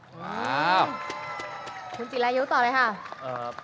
อืมขอบคุณจิลายุต่อเลยครับ